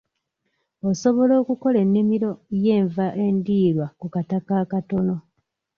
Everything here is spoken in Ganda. Osobola okola ennimiro y'enva endirwa ku kataka akatono.